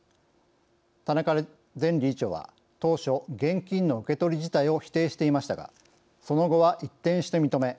田中前理事長は当初現金の受け取り自体を否定していましたがその後は一転して認め